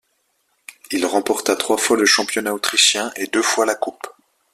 Il remporta trois fois le championnat autrichien et deux fois la coupe.